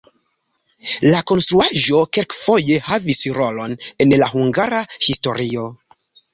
La konstruaĵo kelkfoje havis rolon en la hungara historio.